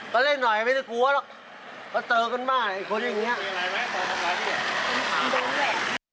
ก็เล่นหน่อยไม่ได้กลัวหรอกก็เจอกันมากไอ้คนอย่างนี้